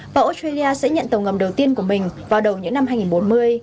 và australia sẽ nhận tàu ngầm đầu tiên của mình vào đầu những năm hai nghìn bốn mươi